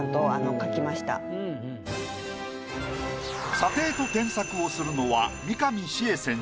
査定と添削をするのは。